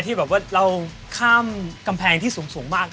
ที่แบบว่าเราข้ามกำแพงที่สูงมาก